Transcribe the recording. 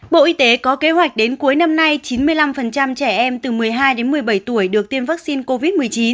bộ y tế có kế hoạch đến cuối năm nay chín mươi năm trẻ em từ một mươi hai đến một mươi bảy tuổi được tiêm vaccine covid một mươi chín